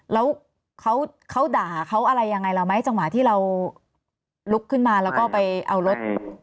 แล้วเขาด่าเขาอะไรยังไงเราไหมจังหวะที่เราลุกขึ้นมาแล้วก็ไปเอารถ